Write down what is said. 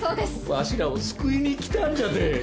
わしらを救いに来たんじゃて。